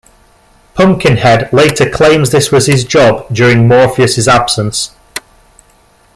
Pumpkinhead later claims this was his job during Morpheus' absence.